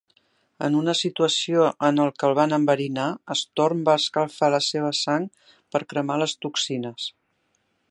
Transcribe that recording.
En una situació en que el van enverinar, Storm va escalfar la seva sang per cremar les toxines.